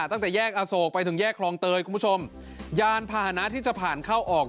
ตั้งแต่แยกอโศกไปถึงแยกคลองเตยคุณผู้ชมยานพาหนะที่จะผ่านเข้าออก